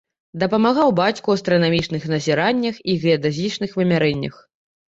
Дапамагаў бацьку ў астранамічных назіраннях і геадэзічных вымярэннях.